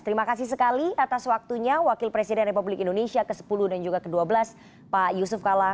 terima kasih sekali atas waktunya wakil presiden republik indonesia ke sepuluh dan juga ke dua belas pak yusuf kala